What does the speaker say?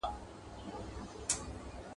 • چي و ويشت نه سې، خبر به نه سې.